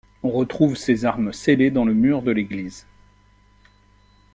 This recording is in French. On retrouve ces armes scellées dans le mur de l’église.